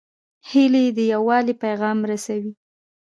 هیلۍ د یووالي پیغام رسوي